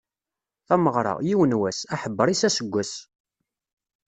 Tameɣra, yiwen wass, aḥebber-is aseggas.